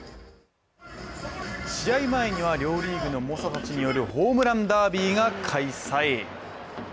試合前には両リーグの猛者たちによるホームランダービーが開催。